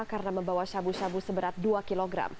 karena membawa syabu syabu seberat dua kg